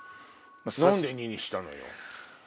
何で２にしたのよ。